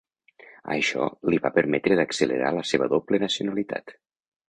Això li va permetre d’accelerar la seva doble nacionalitat.